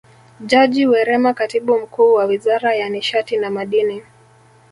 Jaji Werema Katibu Mkuu wa Wizara ya Nishati na Madini